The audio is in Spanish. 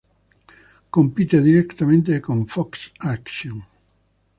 Compite directamente con Fox Action.